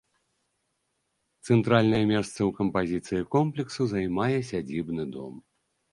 Цэнтральнае месца ў кампазіцыі комплексу займае сядзібны дом.